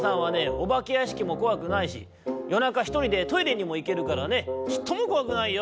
おばけやしきもこわくないしよなかひとりでトイレにもいけるからねちっともこわくないよ」。